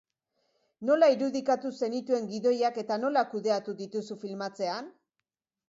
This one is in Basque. Nola irudikatu zenituen gidoiak eta nola kudeatu dituzu filmatzean?